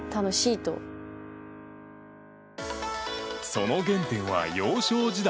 その原点は、幼少時代。